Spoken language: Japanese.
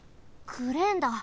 クレーンだ。